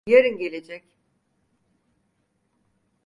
Yarın gelecek.